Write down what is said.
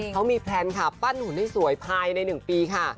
เขามีแพลนค่ะปั้นหุ่นให้สวยภายใน๑ปีค่ะ